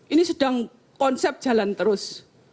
ini sedang konsep jalan terus